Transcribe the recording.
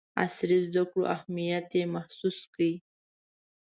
عصري زدکړو اهمیت یې محسوس کړ.